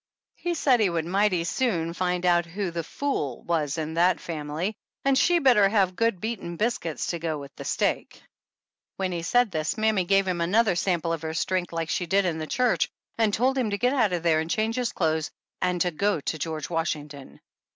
He said he would mighty soon find out who the fool was in that family and she better have good beaten biscuits to go with the steak. When he said this mammy gave him another sample of her strength like she did in the church and told him to get out of there and change his clothes to go to George Washington.